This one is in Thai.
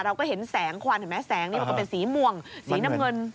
เราก็เห็นแสงควันเห็นไหมแสงนี้มันก็เป็นสีม่วงสีน้ำเงิน